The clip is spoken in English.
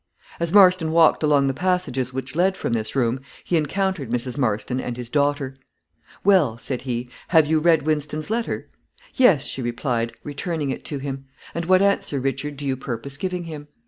As Marston walked along the passages which led from this room, he encountered Mrs. Marston and his daughter. "Well," said he, "you have read Wynston's letter?" "Yes," she replied, returning it to him; "and what answer, Richard, do you purpose giving him?"